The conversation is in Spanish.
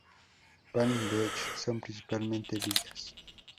Palm Beach son principalmente villas.